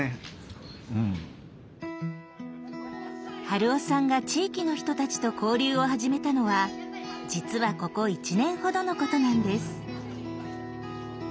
春雄さんが地域の人たちと交流を始めたのは実はここ１年ほどのことなんです。